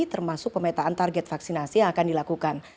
termasuk pemetaan target vaksinasi yang akan dilakukan